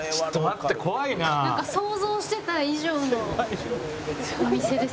なんか想像してた以上のお店ですね。